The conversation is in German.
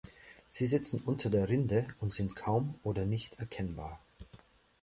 Sie sitzen unter der Rinde und sind kaum oder nicht erkennbar.